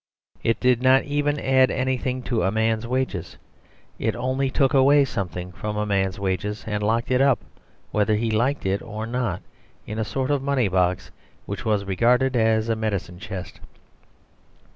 It did not even add anything to a man's wages; it only took away something from a man's wages and locked it up, whether he liked it or not, in a sort of money box which was regarded as a medicine chest.